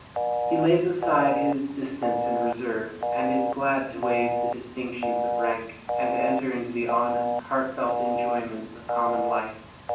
He lays aside his distance and reserve, and is glad to waive the distinctions of rank, and to enter into the honest, heartfelt enjoyments of common life.